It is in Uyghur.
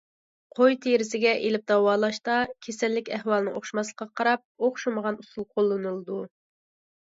قوي تېرىسىگە ئېلىپ داۋالاشتا كېسەللىك ئەھۋالىنىڭ ئوخشىماسلىقىغا قاراپ، ئوخشىمىغان ئۇسۇل قوللىنىلىدۇ.